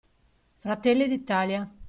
Fratelli d'Italia.